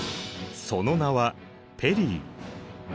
その名はペリー。